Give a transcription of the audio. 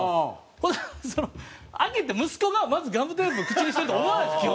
ほんならその開けて息子がまずガムテープ口にしてると思わないですよ基本。